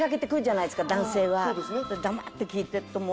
黙って聞いてるともう。